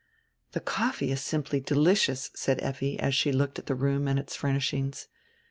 "The coffee is simply delicious," said Effi, as she looked at die room and its furnishings.